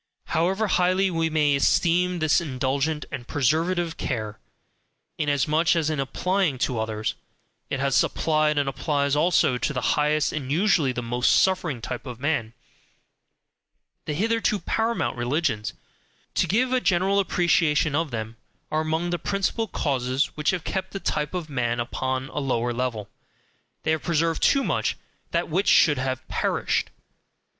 However highly we may esteem this indulgent and preservative care (inasmuch as in applying to others, it has applied, and applies also to the highest and usually the most suffering type of man), the hitherto PARAMOUNT religions to give a general appreciation of them are among the principal causes which have kept the type of "man" upon a lower level they have preserved too much THAT WHICH SHOULD HAVE PERISHED.